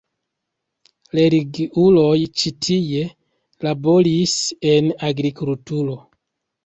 Religiuloj ĉi tie laboris en agrikulturo.